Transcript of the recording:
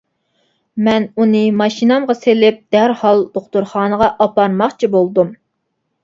مەن ئۇنى ماشىنامغا سېلىپ، دەرھال دوختۇرخانىغا ئاپارماقچى بولدۇم.